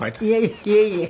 いえいえいえ。